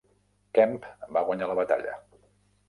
Kemp va guanyar la batalla.